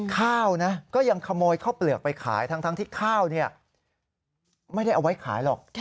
ข้าวนะก็ยังขโมยข้าวเปลือกไปขายทั้งที่ข้าวไม่ได้เอาไว้ขายหรอก